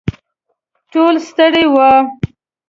ټول ستړي وو.